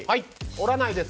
折らないです。